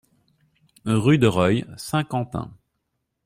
Rue de Reuil, Saint-Quentin